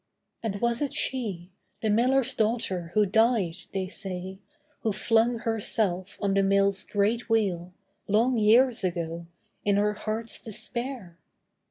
And was it she, The miller's daughter who died, they say, Who flung herself on the mill's great wheel, Long years ago, in her heart's despair?